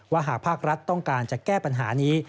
หากภาครัฐต้องการจะแก้ปัญหานี้